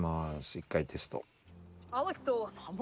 一回テスト。